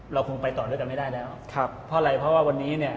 เราคงไปต่อด้วยกันไม่ได้แล้วครับเพราะอะไรเพราะว่าวันนี้เนี่ย